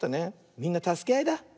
みんなたすけあいだ。